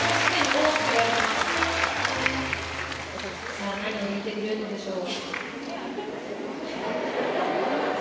さあ何を弾いてくれるのでしょう？